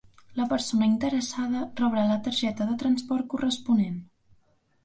La persona interessada rebrà la targeta de transport corresponent.